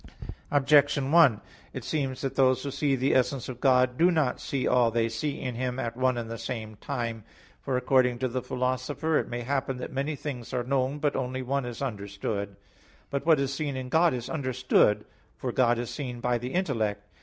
Objection 1: It seems that those who see the essence of God do not see all they see in Him at one and the same time. For according to the Philosopher (Topic. ii): "It may happen that many things are known, but only one is understood." But what is seen in God, is understood; for God is seen by the intellect.